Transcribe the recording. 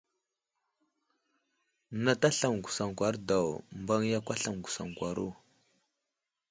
Nat aslam məgwəsaŋkwaro daw, mbaŋ yakw aslam məgwəsaŋkwaro.